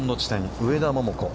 上田桃子。